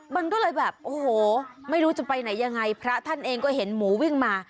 มันก็เลยแบบโอ้โหไม่รู้จะไปไหนยังไงพระท่านเองก็เห็นหมูวิ่งมา